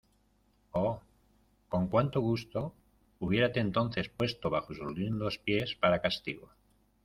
¡ oh, con cuánto gusto hubiérate entonces puesto bajo sus lindos pies para castigo!